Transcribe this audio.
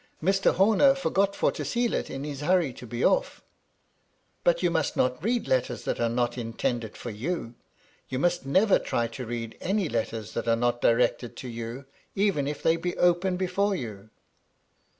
Mr. Horner forgot for to seal it, in his hurry to be oflF." "But you must not read letters that are not in tended for you. You must never try to read any letters that are not directed to you, even if they be open before you."